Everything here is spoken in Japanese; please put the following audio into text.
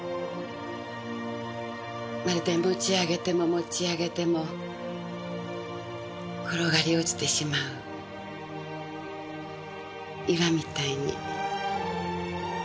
まるで持ち上げても持ち上げても転がり落ちてしまう岩みたいに。